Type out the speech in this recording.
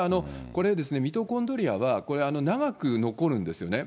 これは、ミトコンドリアは長く残るんですよね。